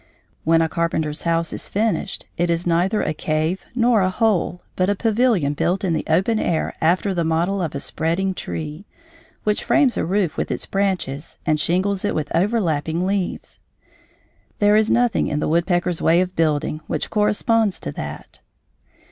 When a carpenter's house is finished, it is neither a cave nor a hole, but a pavilion built in the open air after the model of a spreading tree, which frames a roof with its branches and shingles it with overlapping leaves. There is nothing in the woodpecker's way of building which corresponds to that.